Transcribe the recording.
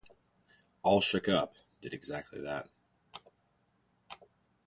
'All Shook Up' did exactly that.